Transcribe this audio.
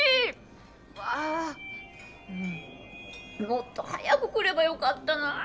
もっと早く来ればよかったなあ。